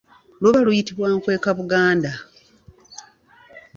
Luba luyitibwa nkwekabuganda.